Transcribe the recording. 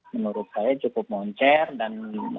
menurut saya cukup moncer dan